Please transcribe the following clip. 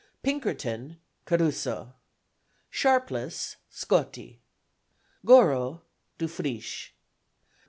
Pinkerton CARUSO. Sharpless SCOTTI. Goro DUFRICHE.